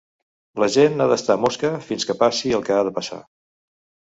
La gent ha d’estar mosca fins que passi el que ha de passar.